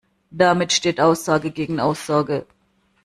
Damit steht Aussage gegen Aussage.